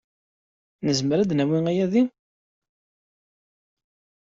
Nezmer ad d-nawi aydi?